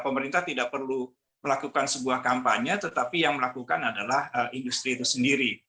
pemerintah tidak perlu melakukan sebuah kampanye tetapi yang melakukan adalah industri itu sendiri